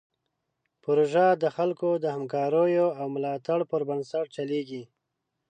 پروژه د خلکو د همکاریو او ملاتړ پر بنسټ چلیږي.